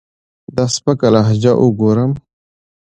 دا سپکه لهجه اوګورم